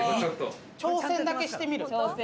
挑戦だけしてみる。